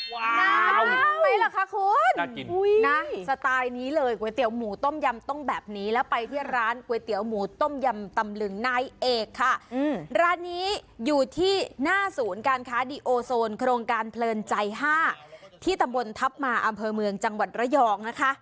ไหมล่ะคะคุณนะสไตล์นี้เลยก๋วยเตี๋ยวหมูต้มยำต้องแบบนี้แล้วไปที่ร้านก๋วยเตี๋ยวหมูต้มยำตำลึงนายเอกค่ะร้านนี้อยู่ที่หน้าศูนย์การค้าดีโอโซนโครงการเพลินใจ๕ที่ตำบลทัพมาอำเภอเมืองจังหวัดระยองนะคะ